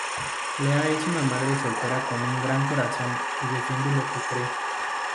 Leah es una madre soltera con un gran corazón y defiende lo que cree.